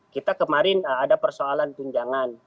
kita kemarin ada persoalan tunjangan